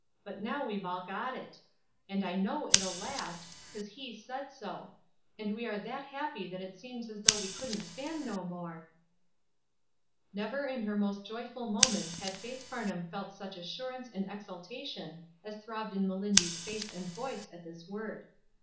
but now we've all got it! and I know it'll last, because He said so. And we are that happy that it seems as though we couldn't stan' no more." Never in her most joyful moments had Faith Farnham felt such assurance and exultation as throbbed in Melindy's face and voice at this word.